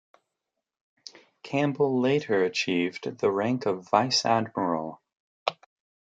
Campbell later achieved the rank of vice admiral.